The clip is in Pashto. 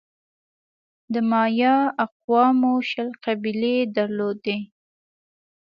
د مایا اقوامو شل قبیلې درلودې.